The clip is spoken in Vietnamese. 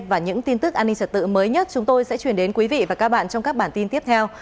và những tin tức an ninh trật tự mới nhất chúng tôi sẽ chuyển đến quý vị và các bạn trong các bản tin tiếp theo